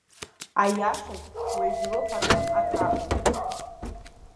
Аиашаз, уаҩ длыхәарҭам аҭакәажә.